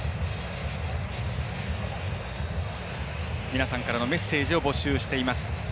皆さんからのメッセージを募集しています。